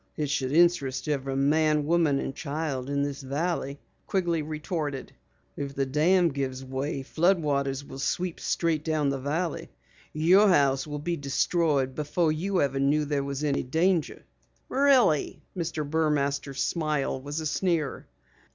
"It should interest every man, woman and child in this valley!" Quigley retorted. "If the dam gives way flood waters will sweep straight down the valley. Your house would be destroyed before you knew there was any danger!" "Really?" Mr. Burmaster's smile was a sneer.